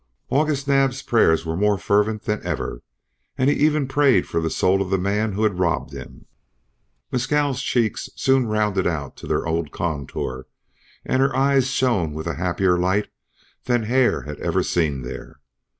August Naab's prayers were more fervent than ever, and he even prayed for the soul of the man who had robbed him. Mescal's cheeks soon rounded out to their old contour and her eyes shone with a happier light than Hare had ever seen there.